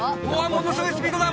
ものすごいスピードだ！